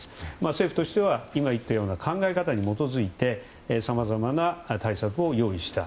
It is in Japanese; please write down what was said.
政府としては今言ったような考え方に基づいてさまざまな対策を用意した。